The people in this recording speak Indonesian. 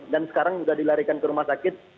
dan sekarang sudah dilarikan ke rumah sakit